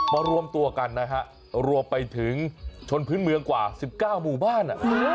รวมตัวกันนะฮะรวมไปถึงชนพื้นเมืองกว่า๑๙หมู่บ้าน